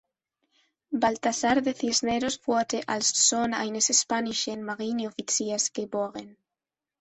Baltasar de Cisneros wurde als Sohn eines spanischen Marineoffiziers geboren.